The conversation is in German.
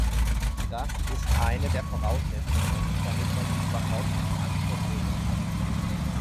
Das ist eine der Voraussetzungen, damit man sie überhaupt in Anspruch nehmen kann.